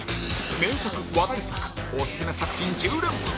名作話題作オススメ作品１０連発